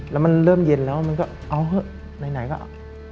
แล้วมันเริ่มเย็นแล้วมันก็เอาเถอะไหนก็